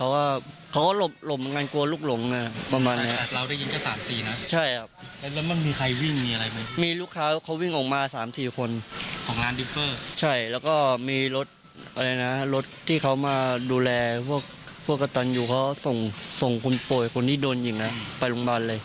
ก็ต้องยอมอยู่เขาส่งคนป่วยคนที่โดนหยิงไปโรงพยาบาลเลย